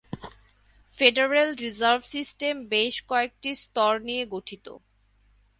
Federal reserve system বেশ কয়েকটি স্তর নিয়ে গঠিত।